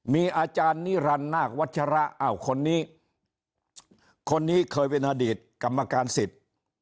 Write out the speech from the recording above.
มีอาจารย์นิรันดินาควัชระอ้าวคนนี้คนนี้เคยเป็นอดีตกรรมการสิทธิ์